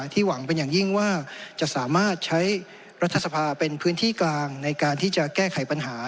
หวังเป็นอย่างยิ่งว่าจะสามารถใช้รัฐสภาเป็นพื้นที่กลางในการที่จะแก้ไขปัญหา